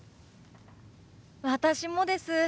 私もです。